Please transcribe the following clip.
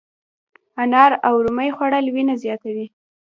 انار او رومي خوړل وینه زیاتوي.